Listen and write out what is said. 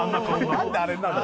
何であれになるの？